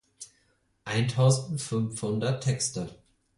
Eintausendfünfhundert Texte!